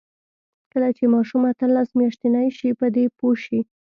کله چې ماشوم اتلس میاشتنۍ شي، په دې پوه شي.